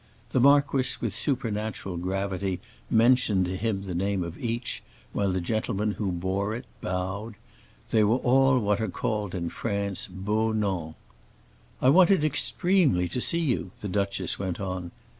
The marquis with supernatural gravity mentioned to him the name of each, while the gentleman who bore it bowed; they were all what are called in France beaux noms. "I wanted extremely to see you," the duchess went on.